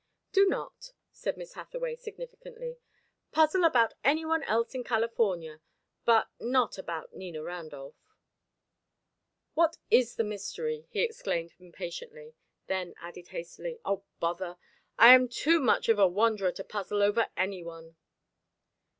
"Do not," said Miss Hathaway, significantly. "Puzzle about any one else in California, but not about Nina Randolph." "What is this mystery?" he exclaimed impatiently, then added hastily, "oh, bother! I am too much of a wanderer to puzzle over any one."